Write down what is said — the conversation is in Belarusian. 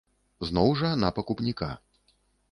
Зноў жа, на пакупніка.